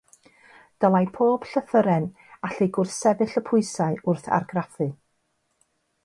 Dylai pob llythyren allu gwrthsefyll y pwysau wrth argraffu.